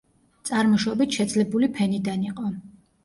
წარმოშობით შეძლებული ფენიდან იყო.